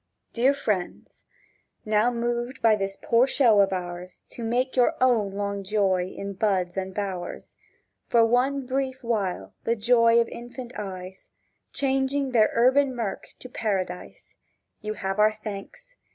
Dear friends—now moved by this poor show of ours To make your own long joy in buds and bowers For one brief while the joy of infant eyes, Changing their urban murk to paradise— You have our thanks!